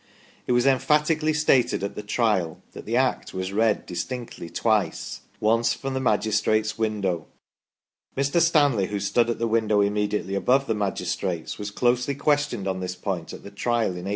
It was emphati cally stated at the Trial that the Act was read distinctly twice : once 36 THE STORY OF PETERLOO from the magistrates' window. Mr. Stanley, who stood at the win dow immediately above the magistrates, was closely questioned on this point at the Trial in 1822.